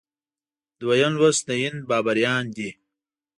دویم لوست د هند بابریان دي.